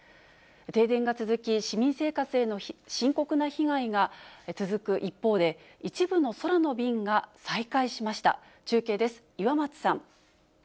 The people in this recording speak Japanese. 停電が続き、市民生活への深刻な被害が続く一方で、一部の空の便が再開しました。